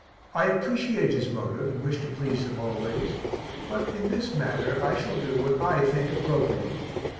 I appreciate his motive, and wish to please him always but in this matter I shall do what I think appropriate.